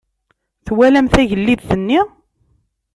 Twalam tagellidt-nni?